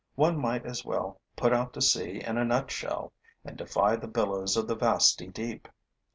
One might as well put out to sea in a nutshell and defy the billows of the vasty deep.